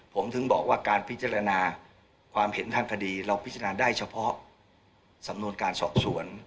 ผมถึงบอกว่าการพิจารณาความเห็นทางคดีเราพิจารณาได้เฉพาะสำนวนการสอบสวน